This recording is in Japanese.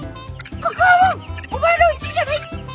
「ここはもうお前のうちじゃない」って。